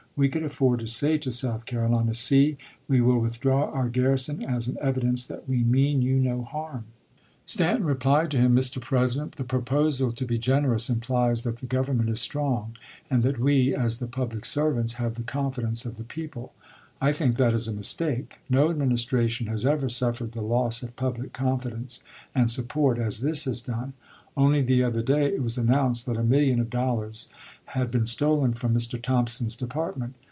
We could afford to say to South Carolina, "See, we will withdraw our garrison as an evidence that we mean you no harm." 74 ABKAHAM LINCOLN Stanton conversa tion, J. G. N., Personal Memoran da. MS. Stanton replied to him, " Mr. President, the proposal to be generous implies that the Government is strong, and that we, as the public servants, have the confidence of the people. I think that is a mistake. No adminis tration has ever suffered the loss of public confidence and support as this has done. Only the other day it was announced that a million of dollars had been stolen from Mr. Thompson's department.